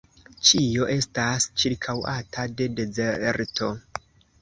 Ĉio estas ĉirkaŭata de dezerto.